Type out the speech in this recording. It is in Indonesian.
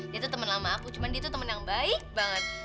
dia tuh temen lama aku cuma dia tuh temen yang baik banget